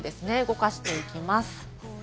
動かしていきます。